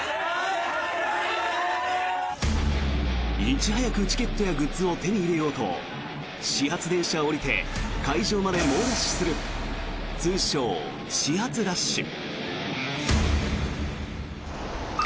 いち早くチケットやグッズを手に入れようと始発電車を降りて会場まで猛ダッシュする通称・始発ダッシュ。